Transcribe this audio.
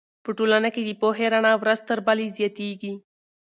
په ټولنه کې د پوهې رڼا ورځ تر بلې زیاتېږي.